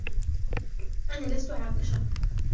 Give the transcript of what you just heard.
أنا لست عاطشة.